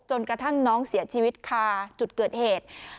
จนกระทั่งน้องเสียชีวิตคาจุดเกิดเหตุ